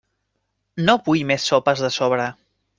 No vull més sopes de sobre.